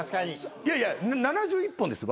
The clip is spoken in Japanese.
いやいや７１本ですよ